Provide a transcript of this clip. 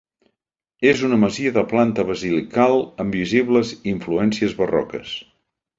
És una masia de planta basilical amb visibles influències barroques.